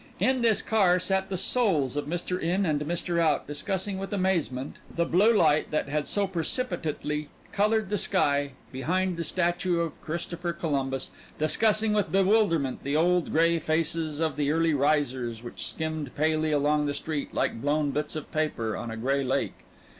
In this car sat the souls of Mr. In and Mr. Out discussing with amazement the blue light that had so precipitately colored the sky behind the statue of Christopher Columbus, discussing with bewilderment the old, gray faces of the early risers which skimmed palely along the street like blown bits of paper on a gray lake.